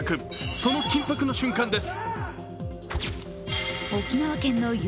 その緊迫の瞬間です。